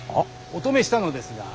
お止めしたのですが。